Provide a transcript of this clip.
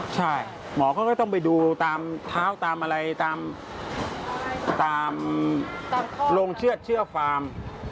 ใช่หมอเขาก็ต้องไปดูตามเท้าตามอะไรตามโรงเชือดเชื่อฟาร์ม